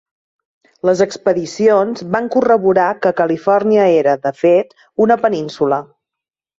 Les expedicions van corroborar que Califòrnia era, de fet, una península.